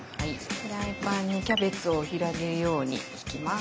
フライパンにキャベツを広げるようにひきます。